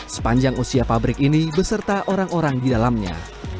sepanjang usia pabrik ini beserta orang orang di dalamnya